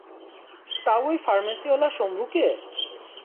তাও ঐ ফার্মেসিওয়ালা শম্ভুকে?